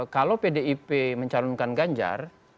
kalau pdip mencalonkan ganjar